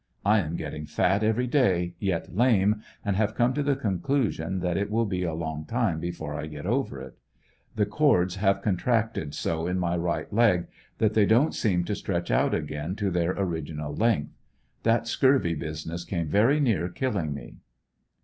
I am getting fat every day, yet lame, and have come to the conclusion that it will be a long time before I get over it. The cords have contracted so in my right leg that they don't seem to stretch out again to their original length. That scurvy business came very near killing me.